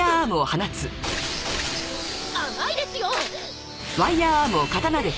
甘いですよ！